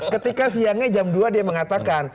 ketika siangnya jam dua dia mengatakan